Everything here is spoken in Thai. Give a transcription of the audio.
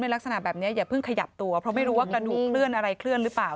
ในลักษณะแบบนี้อย่าเพิ่งขยับตัวเพราะไม่รู้ว่ากระดูกเครื่อนอะไรไปแล้ว